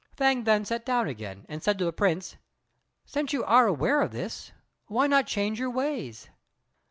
Fêng then sat down again and said to the Prince, "Since you are aware of this, why not change your ways?"